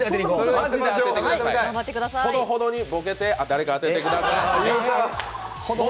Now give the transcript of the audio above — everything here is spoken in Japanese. ほどほどにボケて、誰か当ててください。